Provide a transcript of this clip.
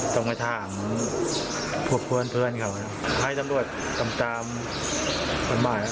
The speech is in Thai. ตรงกระทางพวกเพื่อนเขานะให้ตำรวจตามตามกฎหมาย